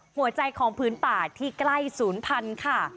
หัวใจของพื้นป่าที่ใกล้ศูนย์พันธุ์ค่ะ